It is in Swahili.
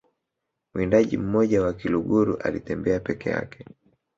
mwindaji mmoja wa kiluguru alitembea peke yake